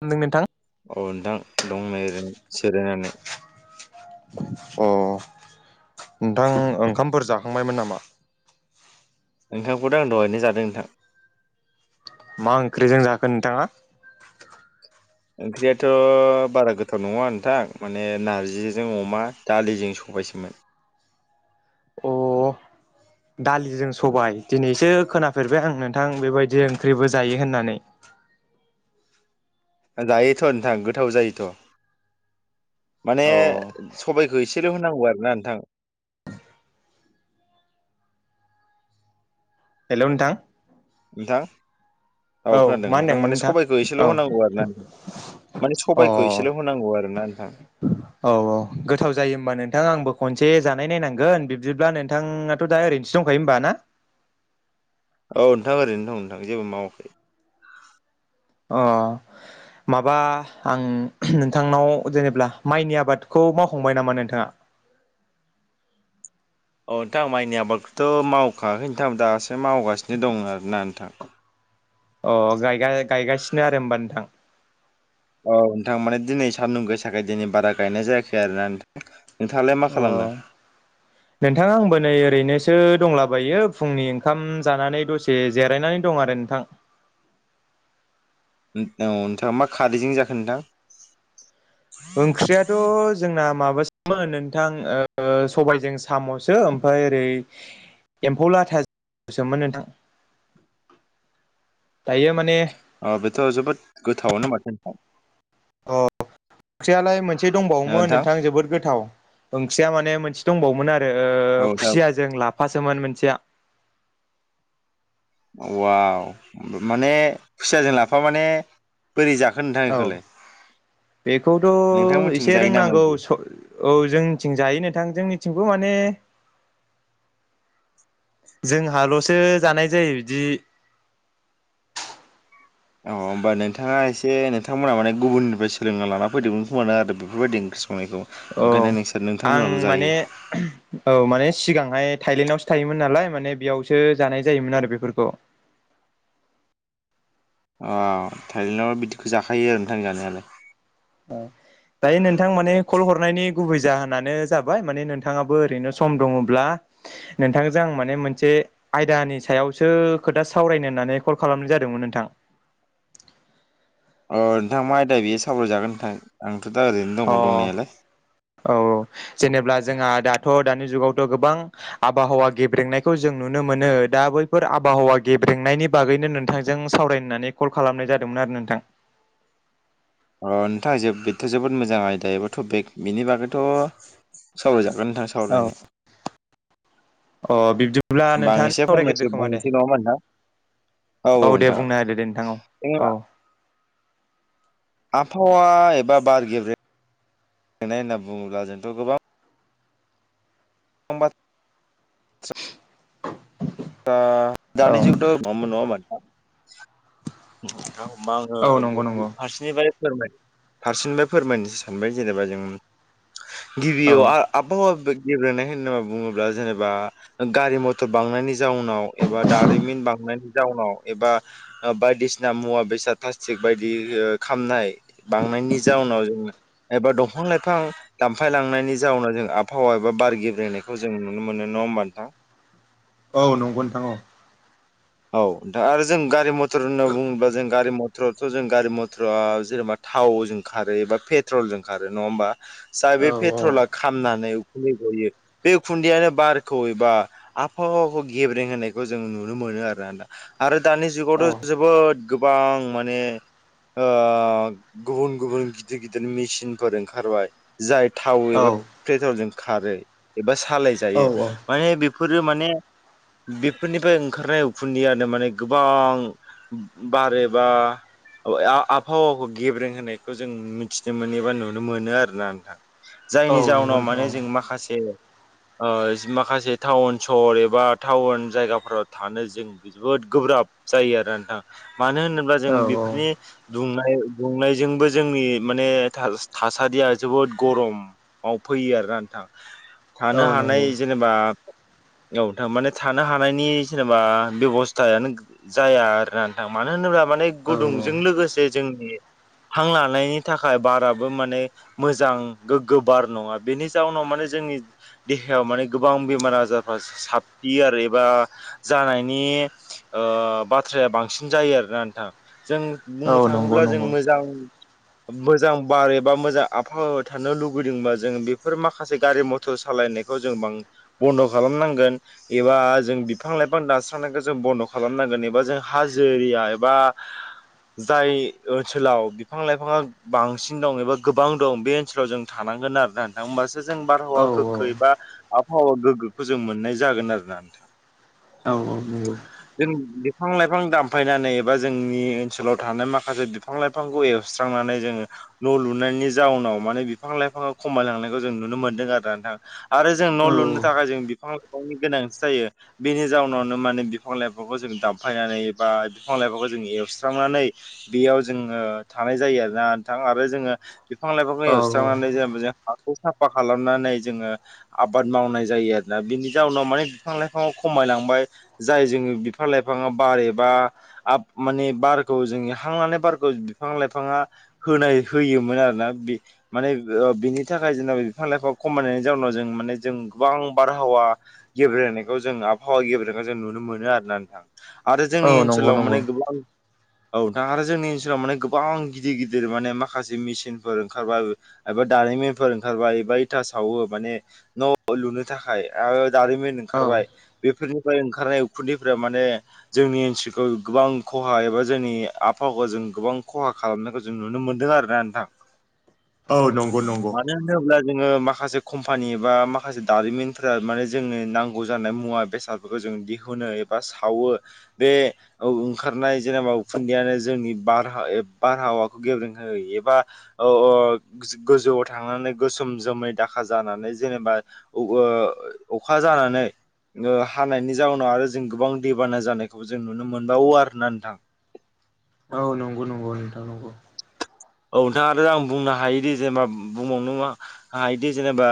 खोनादों नोंथां औ नोंथां दं न जिरायनानै अ नोंथां ओंखामफोर जाखांबायमोन नामा नोंथांखौथ आं दहायनो जादों नोंथां मा ओंख्रिजों जाखो नोंथाङा ओंख्रियाथ' बारा गोथाव नङा नोंथां माने नारजिजों अमा दालिजों स बायसोमोन अ [inaudible] दालिजों सबाय दिनैसो खोनाफेरबाय आं नोंथां बेबायदि ओंख्रिबो जायो होननानै [inaudible] दायोथ' नोंथां गोथाव जायोथ' माने अ सबायखौ एसे ल' होनांगौ आरो ना नोंथां हेलौ नोंथां थां औ मा होनदोंमोन नोंथां एसेल' औ होनांगौ आरो ना नोंथां माने अ औ सबायखौ एसेल' होनांगौ आरो ना नोंथां औ गोथाव जायो होनबा नोंथां आंबो खनसे एसे जानाय नायनांगोन बिब्दिब्ला नोंथाङाथ' दा ओरैनोसो दंखायो होमबा ना औ नोंथां ओरैनो दं नोंथां जेबो मावा अ माबा आं नोंथांनाव जेनेबा माइनि आबादखौ मावखांबाय नामा नोंथाङा [inaudible] अ नोंथां माइनि आबादखौथ' मावखांआखै नोंथां दासो मावगासिनो दं आरोना नोंथां अ गायगासिनो आरो होमबा नोंथां औ नोंथां माने दिनै सानदुं गोसाखाय दिनै बारा गायनाय जायाखै आरोना नोंथां अ नोंथां आंबो नै ओरैनोसो दंलाबायो फुंनि ओंखाम जानानै दसे जिरायनानै दं आरो नोंथां औ नोंथाङा मा खारैजों जाखो नोंथां ओंख्रियाथ' जोंना माबा नोंथां सबायजों साम'सो ओमफ्राय ओरै एम्फौ लाथाजसोमोन नोंथां [inaudible] दायो माने अ बेथ' जोबोद गोथावनो माथो नोंथां अ ओंख्रियालाय मोनसे ओ दंबावोमोन औ नोंथां जोबोद गोथाव ओंख्रिया माने मोनसे दंबावोमोन आरो नोंथां खुसिया जों लाफासोमोन मोनसेया औ माने खुसियाजों लाफा माने खोन्थायाखै औ बेखौलाय बेखौथ' नोंथांमोनथिं एसे जायो नामा रोंनांगौ औ बिदि जोंनिथिं जायो नोंथां जोंनिथिंखौ माने माने जोंहाल'सो जानाय जायो बिदि [inaudible] अ होमबा नोंथाङा एसे नोंथांमोना माने गुबुननिफ्राय सोलोंना लाना फैदोंमोन खोमा ना आरो बेफोरबायदि ओंख्रि संनायखौ औ ओंखायनो नोंसोर नोंथांमोनाल' आं जायो माने औ माने सिगांहाय थायलेण्डआवसो थायोमोन नालाय माने बेयावसो जानाय जायोमोन आरो बेफोरखौ [inaudible] अ थायलेण्डआव बिदिखौ जाखायो आरो नोंथां जानायालाय [inaudible] दायो नोंथां माने कल हरनायनि गुबै जाहोनानो जाबाय माने नोंथाङाबो ओरैनो सम दङब्ला नोंथांजों आं माने मोनसे आयदानि सायावसो खोथा सावरायनो होननानै कल खालामनाय जादों मोन नोंथां [inaudible] औ नोंथां मा आयदा बेयो सावरायजागोन नोंथां ओं अ औ जेनेब्ला जोंहा दाथ' दानि जुगाव गोबां आबहावा गेब्रेंनायखौ जों नुनो मोनो दा बैफोर आबहावा गेब्रेंनायनि बागै बिनो नोंथांजों सावरायनानै कल खालामनाय जादोंमोन आरो नोंथां [inaudible] अ नोंथां जे बेथ' जोबोद मोजां आयदा एबा थपिक बेनि बागैथ' सावराय जा गोन नोंथां औ सावरायनो अ बिब्दिब्ला होमबा आं नोंथाङानो एसे सावरायग्रोदो फंनैसो खोमा दे बुंनोसै नङा होमबा नोंथां औ औ औ दे नोंथां बुंना होदो दे नोंथां जों औ आबहावा एबा बार गेब्रेंनाय होनना बुङोब्ला जोंथ' गोबां समबाद [unintelligible] औ होमबा औ नंगौ आङो नंगौ फारसेनिफाय फोरमाय फारसिनिफाय फोरमायनोसै सानबाय जेनेबा जों औ गिबियाव आ आबहावा गेब्रेनाय होनना बुङोब्ला जेनेबा गारि मथर बांनायनि जाउनाव एबा दारिमिन बांनायनि जाउनाव एबा बायदिसिना मुवा बेसाद प्लास्टिक बायदि ओ खामनाय बांनायनि जाउनाव जोङो एबा दंफां-लाइफां दानफायलांनायनि जाउनाव जों आबहावा एबा बार गेब्रायनायखौ जों नुनो मोनो नङा ओमबा नोंथां औ नंगौ नोंथां औ औ नोंथां आरो जों गारि मथर होनना बुङोबा जों गारि मथराथ' जों गारि मथरा जेनेबा थावजों खारो एबा पेट्रलजों खारो नङा होमबा जाय बे औ पेट्रला खामनानै खुन्दै गयो बे खुन्दैयानो बारखौ एबा आबहावाखौ गेब्रें होनायखौ जों नुनो मोनो आरो आरोना आरो दानि औ जुगावथ' जोबोद गोबां माने ओ गुबुन गुबुन गिदिर गिदिर मेचिनफोर ओंखारबाय जाय थाव एबा औ पेट्रलजों खारो एबा औ सालायजायो माने फोरो माने बेफोरनिफ्राय ओंखारनाय उखुन्दियानो माने गोबां बार एबा ओ आबहावाखौ गेब्रें होनायखौ जों मिथिनो मोनोबा नुनो मोनो आरोना नोंथां जायनि नंगौ जाउनाव माने नोंथां जों माखासे ओ माखासे टाउन सहर एबा टाउन जायगाफोराव थानो जों जोबोद गोब्राब जायो आरो नोंथां मानो होनोब्ला जों औ बेफोरनि दुंनाय दुंनायजोंबो जोंनि माने थासारिया जोबोद गरमाव फैयो आरो रा नोंथां औ थानो नंगौ हानाय जेनेबा औ नोंथां माने थानो हानायनि जेनेबा बेब'स्थायानो जाया आरोना नोंथां मानो होनोब्ला माने औ गुदुंजों लोगोसे जोंनि हां लानायनि थाखाय बाराबो माने मोजां गोग्गो बार नङा बेनि जाउनाव माने जोंनि देहायाव माने गोबां बेमार आजारफ्रा साबफियो आरो एबा जानाय नि बाथ्राया बांसिन जायो आरोना नोंथां जों बुंनो औ नंगौ थाङोब्ला जों नंगौ मोजां मोजां बार एबा मोजां आबहावायाव थानो लुुबैदोंबा जों बेफोर माखासे गारि मथर सालायनो खौ जों बां बन्द खालाम नांगोन एबा जों बिफां-लाइफां दान खौ जों बन्द' खालामनांगोन एबा जों हाजो एरिया एबा जाय ओनसोलाव बिफां-लाइफाङा बांसिन दं एबा गोबां दं बे ओनसोलाव जों थानाय थानांगोन आरोना नोंथां ओमबासो जों औ नंगौ औ बारहावा गोग्गो एबा आबहावा गोग्गोखौ जों मोननाय जागोन आरोना नोंथां औ औ जों बिदि बिफां लाइफां दानफायनानै एबा जोंनि ओनसोलाव थानाय माखासे बिफां लाइफांखौ एवस्रांनानै जोङो न' लुनायनि जाउनाव माने बिफां लाइफाङा खमायलांनायखौ जों नुनो मोन्दों आरो नोंथां आरो जों न' लुनो थाखाय जों बिफां लाइफांनि गोनांथि जायो बेनि जाउनावनो माने बिफां लाइफांखौ जों दामफायनानै बा बिफां लाइफांखौ जों एवस्रांनानै बेयाव जोङो था- नाय जायो आरो ना नोंथां आरो जोङो बिफां लाइफांखौ एवस्रांनानै जेनेबा जों हाखौ साफा खालामनानै जोङो आबाद मावनाय जायो आरोना बिनि जाउनाव माने बिफां लाइफां खमायलांबाय जाय जोङो बिफां लाइफाङा बार एबा माने बारखौ जोङो हां लानाय बारखौ बिफां लाइफाङा होनाय होयोमोन आरोना बे माने बिनि थाखाय जोंबा बिफां लाइफां खमायनायनि जाउनाव जों माने जों गोबां बारहावा गेब्रेंनायखौ जों आबहावा गेब्रेंनायखौ जों जों नुनो मोनो आरोना नोंथां आरो जोंनि नंगौ ओनसोलाव नंगौ माने गोबां औ दा आरो जोंनि ओनसोलाव माने गोबां गिदिर गिदिर माने माखासे मेसिनफोर ओंखारबाय एबा दारिमिनफोर ओंखारबाय एबा इथा सावो माने न' लुनो थाखाय आरो दारिमिन ओं- औ खारबाय बेफोरजों ओंखारनाय उखुन्दनिफ्राय माने जोंनि ओनसोलखौ गोबां खहा एबा जोंनि आबहावा जों गोबां खहा खालामनायखौ जों नुनो मोनदों आरोना नोंथां औ नंगौ नंगौ मानो होनोब्ला जोङो माखासे कम्पानि बा माखासे दारिमिनफोरा माने जोंनो नांगौ जानाय मुवा बेसाद फोरखौ जों दिहुनो एबा सावो बे ओंखारनाय जेनेबा उखुन्दैयानो जोंनि बारहावा बारहावाखौ गेब्रें होयो एबा ओ गोजौआव थांनानै गोसो- सोम जोमै दाखा जानानै जेनेबा ओ अखा जानानै हानायनि जाउनाव आरो जों गोबां दैबाना जानायखौबो जों नुनो मोनबावो आरोना नोंथां औ नंगौ नंगौ नोंथां नंगौ औ नोंथां आरो आं बुंनो हायोदि जेनेबा बुंबावनो हायोदि जेनेबा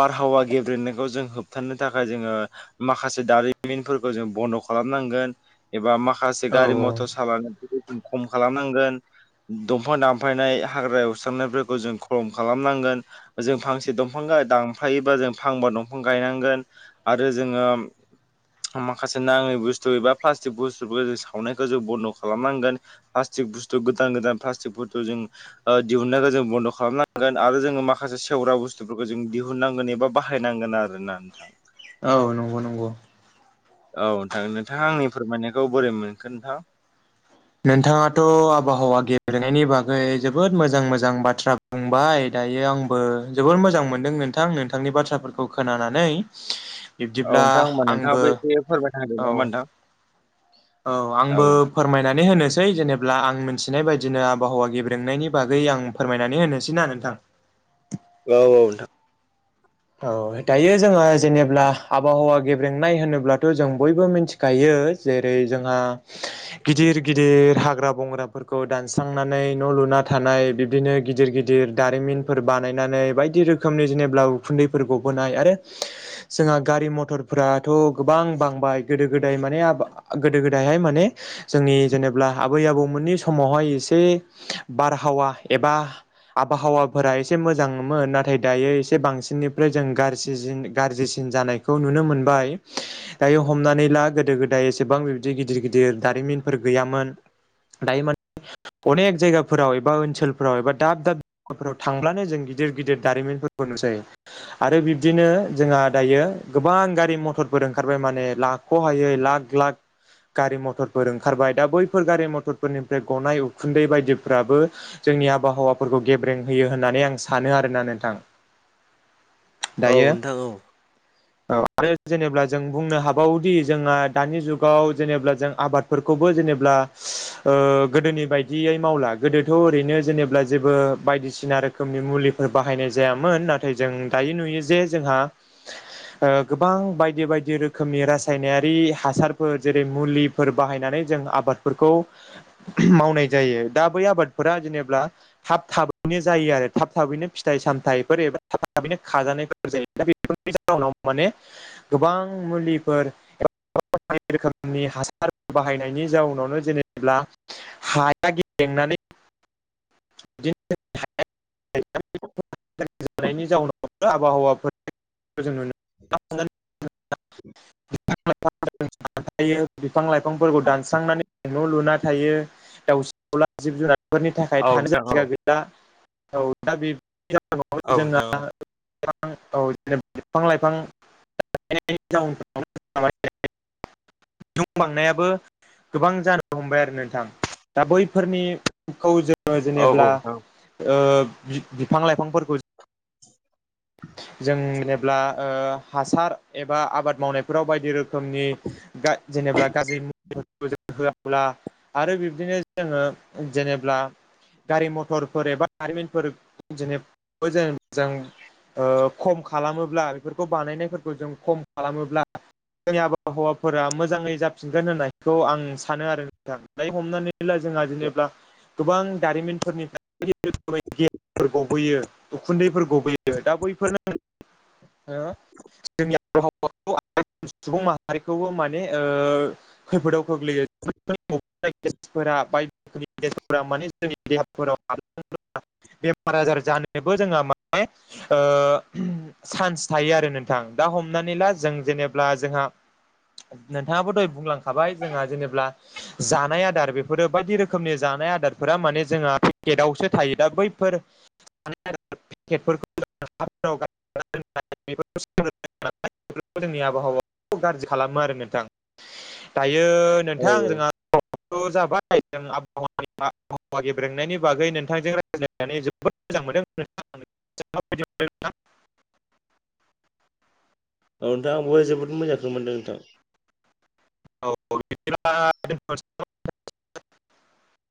बारहावा गेब्रेंनायखौ जों होबथानो थाखाय जोङो माखासे दारिमिनफोरखौ जों बन्द' खालाम नांगोन एबा माखासे औ गारि मथर सालायनायफोरखौ खम खालामनांगोन दंफां दानफायनाय हाग्रा एवस्रांनायफोरखौ जों खम खालामनांगोन जों फांसे दंफां गाय- दानफायोबा जों फांबा दंफां गायनांगोन आरो जोङो माखासे नाङै बुस्थु एबा प्लास्टिक बुस्थुफोरखौ जों सावनायखौ जों बन्द' खालामनांगोन प्लास्टिक बुस्थु गोदान गोदान प्लास्टिकफोरखौ जों दिहुननायखौ जों बन्द' खालामनांगोन आरो जोङो माखासे सेवग्रा बुस्थुफोरखौ जों दिहुननांगोन एबा बाहायनांगोन आरो ना नोंथां। औ नंगौ नंगौ औ नोंथां नोंथाङा आंनि फोरमायनायखौ बोरै मोनखो नोंथां? नोंथाङाथ' आबहावा गेब्रेंनायनि बागै जोबोद मोजां मोजां बाथ्रा बुंबाय। दायो आंबो जोबोर मोजां मोनदों नोंथां नोंथांनि बाथ्राफोरखौ खोनानानै औ बिब्दिब्ला नोंथां होमबा आंबो नोंथाङाबो एसे फोरमायना होदो औ नामा नोंथां औ आंबो नोंथां औ फोरमायनानै होनोसै जेनेब्ला आं मिथिनाय बाय- दिनो आबहावा गेब्रेंनायनि बागै आं फोरमायनानै होनोसैना नोंथां औ औ नोंथां औ दायो जोङो जेनेब्ला आबहावा गेब्रेंनाय होनोब्लाथ' जों बयबो मिथिखायो जेरै जोंहा गिदिर गिदिर हाग्रा बंग्राफोरखौ दानस्रांनानै न' लुना थानाय बिब्दिनो गिदिर गिदिर दारिमिनफोर बानायनानै बायदि रोखोमनि जेनेब्ला उखुन्दै गबोनाय आरो जोंहा गारि मथरफ्राथ' गोबां बांबाय गोदो गोदाय माने गोदो गोदायहाय माने जोंनि जेनेब्ला आबै आबौमोननि समावहाय एसे बारहावा एबा आबहावाफोरा एसे मोजांमोन नाथाय दायो एसे बांसिन निफ्राय जों गाज्रिसिन जानायखौ नुनो मोनबाय दायो हमनानै ला गो- दो गोदाय एसेबां बिदि गिदिर गिदिर दारिमिनफोर गैयामोन दायो माने अनेक जायगाफोराव एबा ओनसोलफोराव एबा दाब दाब जायगाफोराव थांब्लानो जों गिदिर गिदिर दारिमिनफोर खौ नुसै। आरो बिब्दिनो जोंहा दायो गोबां गारि मथरफोर ओंखारबाय माने लाख' हायै लाख लाख गारि मथरफोर ओंखारबाय दा बैफोर गारि मथरफोरनिफ्राय गनाय उखुन्दै बायदिफ्राबो जों जोंनि आबहावाफोरखौ गेब्रें होयो होननानै आं सानो आरोना नोंथां औ दायो नोंथां औ आरो जेनेबा जों बुंनो हाबावोदि जोंहा दानि जुगाव जेनेबा जों आबादफोरखौबो जेनेबा ज गोदोनि बायदियै मावला गोदोथ' ओरैनो जे जेबो बायदिसिना ना रोखोमनि मुलिफोर बाहायनाय जायामोन नाथाय जों दायो नुयो जे जोंहा गोबां बायदि बायदि रोखोमनि रासायनारि हासारफोर जेरै मुलिफोर बाहायनानै जों आबादफोरखौ मावनाय जायो दा बै आबादफोरा जेनेबा हाब थाब बिनो जायो आरो थाब थाबैनो फिथाइ सामथाइफोर एबा बेनो खाजानायफोर जायो दा बेफोरनि जाउनाव माने गोबां मुलिफोर [unintelligible] रोखोमनि हासार बाहायनायनि जाउनावनो जेनेब्ला हाया गेब्रेंनानै [inaudible] [unintelligible] जानायनि जाउनाव आबहावा [unintelligible] [inaudible] [unintelligible] थायो बिफां लाइफांफोरखौ दानस्रांनानै न' लुना थायो दाउसि दाउला जिब जुनार फोरफोरनि थाखाय औ नोंथां औ नोंथां औ थानो नोंथां जायगा गैला औ दा [unintelligible] औ जोंहा [unintelligible] [inaudible] दुं बांनायाबो गोबां जानो हमबाय आरो नोंथां दा बैफोरनिखौ जों बो जेनेब्ला ओ बि बिफां लाइफांफोरखौ जो जों जेब्ला हासार एबा आबाद मावनायफोराव बायदि रोखोम रोखोमनि जेनेबा गाज्रि मुलिफोरखौ होआ अब्ला आरो बिब्दिनो जोङो जेनेब्ला गारि मथरफोर एबा जारिमिनफोर ज जों मोजां ओ खम खालामोब्ला बेफोरखौ बानायनायफोरखौ जों खम खालामोब्ला। जोंनि आबहावाफोरा मोजाङै जाफिनगोन होननायखौ आं सानो आरो नोंथां हमनानै ला जों लाजिनोब्ला गोबां दारिमिनफोरनिफ्रायो [unintelligible] गबोयो उखुन्दैफोर गबोयो दा बैफोरनो जोंनि आबावखौ सुबुं माहारिखौबो माने खैफोदाव गोग्लैयो [unintelligible] दा बायदि रोखोमनि देफोरा माने जोंनि देहाफोराव [unintelligible] बेमार आजार जानोबो जोंहा माने चान्स थायो आरो नोंथां दा हमनानै ला जों जेनेबब्ला जोंहा नोंथाङाबो दहाय बुंलांखाबाय जोंहा जेनेबा जानाय आदार बे फोरो बायदि रोखोमनि जानाय आदार फोरा माने जोंहा पेकेटआवसो थायो दा बैफोरफोरखौ [unintelligible] [unintelligible] जोंनि आबहावाखौ गाज्रि खालामो आरो नोंथां दायो। यो औ नोंथां [unintelligible] जाबाय जों आबहावानि आबहावा गेब्रेंनायनि बागै नोंथांजों रायज्लायनानै जोबोद मोजां मोनदों [unintelligible] औ नोंथां आंबो जोबोद मोजांखौ मोनदों नोंथां [unintelligible]